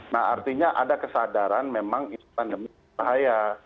nah artinya ada kesadaran memang pandemi ini bahaya